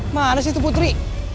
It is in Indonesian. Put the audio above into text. mana sih itu putri